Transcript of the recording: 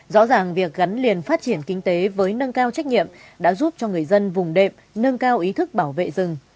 rõ ràng việc gắn liền phát triển kinh tế với nâng cao trách nhiệm đã giúp cho người dân vùng đệm nâng cao ý thức bảo vệ rừng